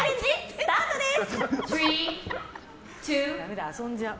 スタートです！